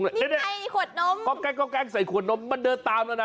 เด็ดเค้าแกล้งใส่ขวดนมมันเดิดตามแล้วนะ